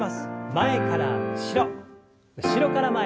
前から後ろ後ろから前に。